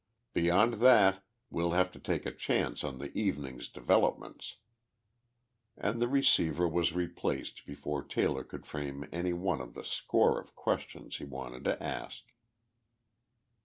Beyond that we'll have to take a chance on the evening's developments," and the receiver was replaced before Taylor could frame any one of the score of questions he wanted to ask.